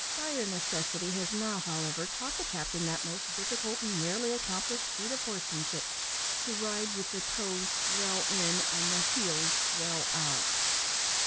Dire necessity has now, however, taught the captain that most difficult and rarely accomplished feat of horsemanship, to ride with the toes well in, and the heels well out.